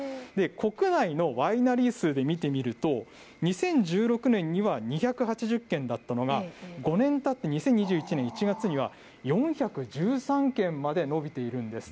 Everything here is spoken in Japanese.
国内のワイナリー数で見てみると、２０１６年には２８０軒だったのが、５年たって、２０２１年１月には、４１３軒まで伸びているんです。